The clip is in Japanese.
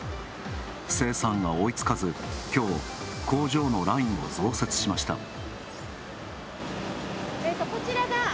生産が追いつかず、きょう工場のラインを増設しました。